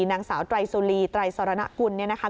นางสาวไตรสุรีไตรสรณกุลเนี่ยนะคะ